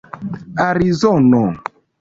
arizono